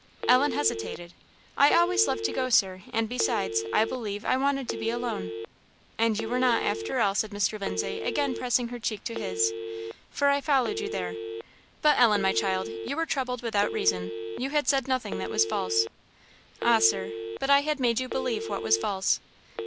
Ellen hesitated. "I always love to go, Sir; and, besides, I believe I wanted to be alone." "And you were not, after all," said Mr. Lindsay, again pressing her cheek to his, "for I followed you there. But, Ellen, my child, you were troubled without reason; you had said nothing that was false." "Ah, Sir, but I had made you believe what was false."